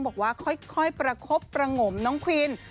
ค่อยประคบประงมน้องควิน